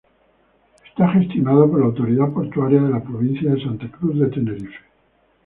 Está gestionado por la autoridad portuaria de la provincia de Santa Cruz de Tenerife.